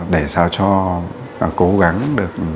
để sao cho cố gắng được